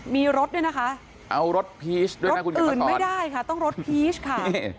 มีรถด้วยนะคะรถอื่นไม่ได้ค่ะต้องรถพีชค่ะ